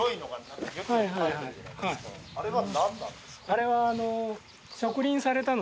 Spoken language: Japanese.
あれは。